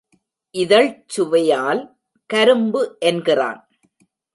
இதழ்ச் சுவையால் கரும்பு என்கிறான்.